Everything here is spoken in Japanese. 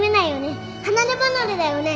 離れ離れだよね。